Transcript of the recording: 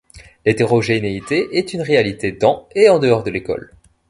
L’hétérogénéité est une réalité dans et en dehors de l’école.